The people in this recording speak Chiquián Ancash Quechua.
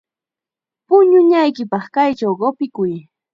Puñunaykipaq kaychaw qupikuy.